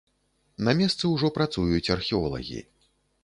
На месцы ўжо працуюць археолагі.